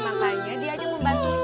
makanya dia aja membantunya